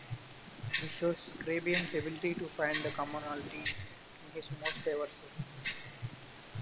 This shows Scriabin's ability to find commonality in his most diverse works.